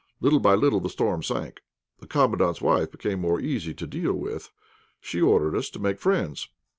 Little by little the storm sank. The Commandant's wife became more easy to deal with. She ordered us to make friends.